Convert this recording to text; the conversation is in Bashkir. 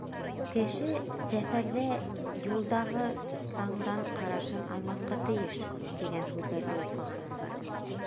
Кеше сәфәрҙә юлдағы саңдан ҡарашын алмаҫҡа тейеш, тигән һүҙҙәрҙе уҡығаным бар.